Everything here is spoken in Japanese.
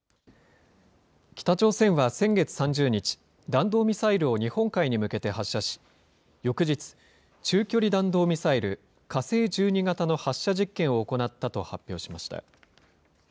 北朝鮮は先月３０日、弾道ミサイルを日本海に向けて発射し、翌日、中距離弾道ミサイル、火星１２型の発射実験を行ったと発表しました。